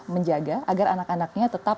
menjaga agar anak anaknya tetap